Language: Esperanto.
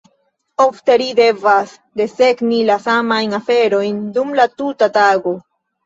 Ofte, ri devas desegni la samajn aferojn dum la tuta tago.